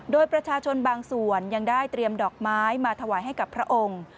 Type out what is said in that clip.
โดยประชาชนบางส่วนยังได้เตรียมดอกไม้มาถวายให้กับพระองค์